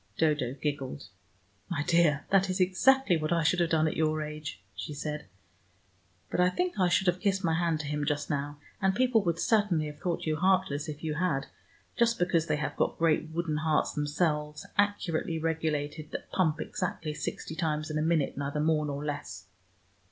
Dodo giggled. "My dear, that is exactly what I should have done at your age," she said. "But I think I should have kissed my hand to him just now, and people would certainly have thought you heartless, if you had, just because they have got great wooden hearts themselves, accurately regulated, that pump exactly sixty times in a minute, neither more nor less.